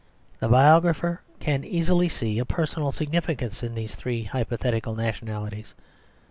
The biographer can easily see a personal significance in these three hypothetical nationalities.